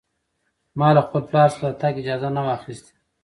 ما له خپل پلار څخه د تګ اجازه نه وه اخیستې.